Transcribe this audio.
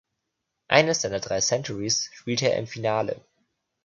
Eines seiner drei Centurys spielte er im Finale.